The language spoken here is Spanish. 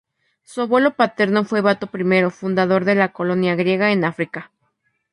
Su abuelo paterno fue Bato I, fundador de la colonia griega en África.